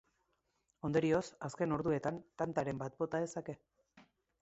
Ondorioz, azken orduetan tantaren bat bota dezake.